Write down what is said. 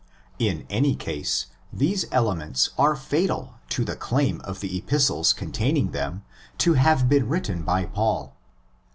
In any case, these elements are fatal to the claim of the Epistles containing them to'have been written by Paul.